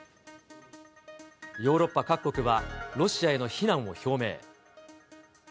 ヨーロッパ各国は、ロシアへの非難を表明。